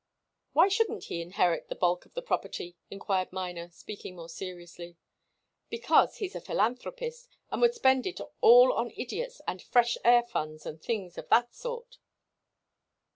"Why shouldn't he inherit the bulk of the property?" enquired Miner, speaking more seriously. "Because he's a philanthropist, and would spend it all on idiots and 'fresh air funds,' and things of that sort."